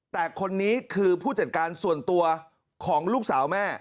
แต่คนนี้คือผู้จัดการส่วนตัวของลูกสาวแม่